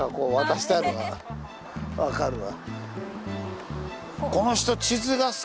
分かるわ。